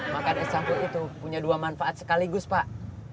makan es campur itu punya dua manfaat sekaligus pak